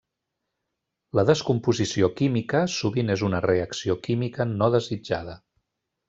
La descomposició química sovint és una reacció química no desitjada.